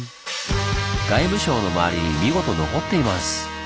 外務省の周りに見事残っています！